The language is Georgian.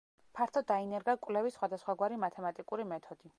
ფართოდ დაინერგა კვლევის სხვადასხვაგვარი მათემატიკური მეთოდი.